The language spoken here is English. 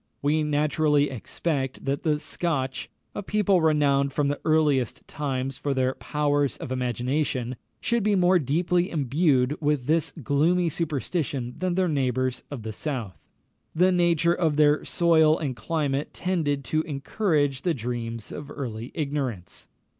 We naturally expect that the Scotch a people renowned from the earliest times for their powers of imagination should be more deeply imbued with this gloomy superstition than their neighbours of the south. The nature of their soil and climate tended to encourage the dreams of early ignorance.